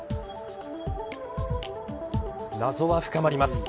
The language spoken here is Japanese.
謎は深まります。